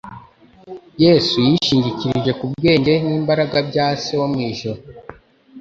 Yesu yishingikirije ku bwenge n'imbaraga bya Se wo mu ijuru